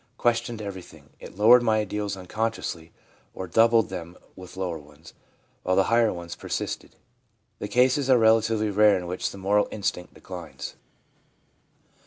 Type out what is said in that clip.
Questioned everything. It lowered my ideals unconsciously, or doubled them with lower ones, while the higher ones persisted/ The cases are relatively rare in which the moral instinct declines.